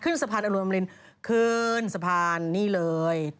สะพานอรุมรินขึ้นสะพานนี่เลย